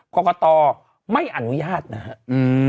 กรกตไม่อนุญาตนะครับ